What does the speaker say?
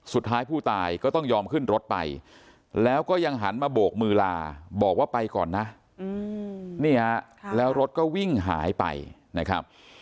สุดท้ายผู้ตายก็ต้องยอมขึ้นรถไปแล้วก็ยังหันมาโบกมือลาบอกว่าไปก่อนนะนี่ฮะแล้วรถก็วิ่งหายไปนะครับ